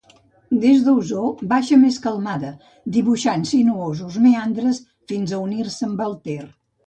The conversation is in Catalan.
Des d'Osor, baixa més calmada, dibuixant sinuosos meandres fins a unir-se amb el Ter.